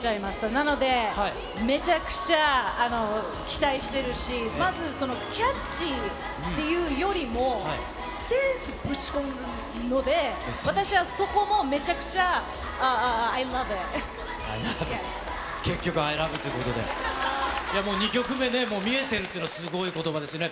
なので、めちゃくちゃ期待してるし、まずキャッチーっていうよりも、センスぶち込むので、私はそこもめちゃくちゃ、結局アイ・ラブということで、２曲目ね、もう見えてるっていうの、すごいことばですよね。